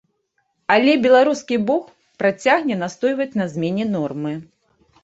Але беларускі бок працягне настойваць на змене нормы.